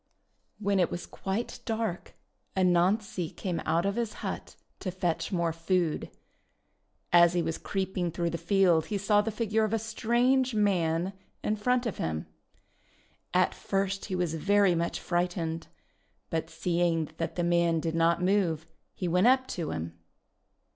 When it was quite dark Anansi came out of his hut to fetch more food. As he was creeping through the field he saw the figure of a strange man hi front of him. At first he was very much frightened, but seeing that the man did not move, he went up to him.